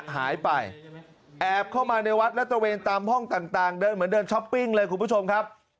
หายไปแอบเข้ามาในวัดและตะเวนตามห้องต่างเดินเหมือนเดินช้อปปิ้งเลยคุณผู้ชมครับ